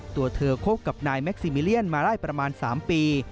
ตัวเธอคบกับนายแม็กซิมิเลียนมาได้ประมาณ๓ปี